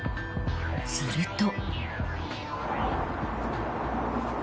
すると。